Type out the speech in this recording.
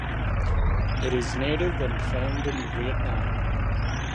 It is native and found in Vietnam.